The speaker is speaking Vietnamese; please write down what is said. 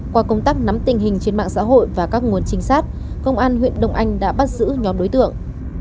qua công tác nắm tình hình trên mạng xã hội và các nguồn trinh sát công an huyện đông anh đã bắt giữ nhóm đối tượng